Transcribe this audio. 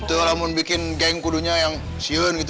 itu yang bikin geng kudunya yang sian gitu